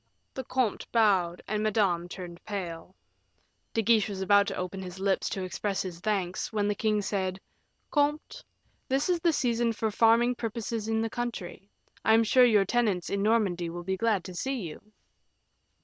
The comte bowed, and Madame turned pale. De Guiche was about to open his lips to express his thanks, when the king said, "Comte, this is the season for farming purposes in the country; I am sure your tenants in Normandy will be glad to see you."